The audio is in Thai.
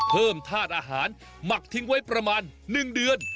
เพิ่มธาตุอาหารหมักทิ้งไว้ประมาณหนึ่งเดือน